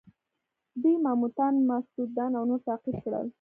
دوی ماموتان، ماستودان او نور تعقیب کړل.